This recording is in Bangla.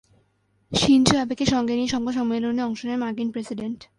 শিন জো অ্যাবেকে সঙ্গে নিয়ে সংবাদ সম্মেলনে অংশ নেন মার্কিন প্রেসিডেন্ট।